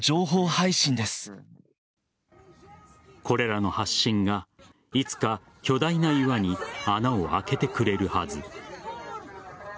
これらの発信がいつか巨大な岩に穴を開けてくれるはず。